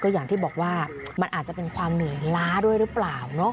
อย่างที่บอกว่ามันอาจจะเป็นความเหนื่อยล้าด้วยหรือเปล่า